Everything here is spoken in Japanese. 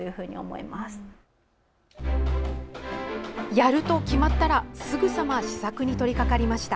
やると決まったらすぐさま試作に取り掛かりました。